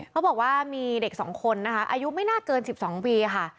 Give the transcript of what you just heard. เขาบอกว่ามีเด็ก๒คนนะคะอายุไม่น่าเกิน๑๒ปีค่ะ